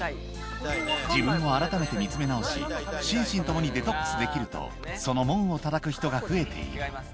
自分を改めて見つめ直し、心身ともにデトックスできると、その門をたたく人が増えている。